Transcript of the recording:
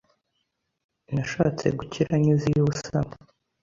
Nashatse gukira nyuze iy' ubusamo